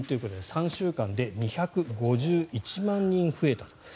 ３週間で２５１万人増えたと。